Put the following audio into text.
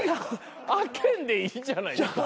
開けんでいいじゃないですか。